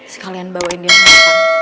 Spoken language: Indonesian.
sekalian bawain dia ke tempat